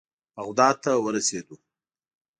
بغداد ته ورسېدو.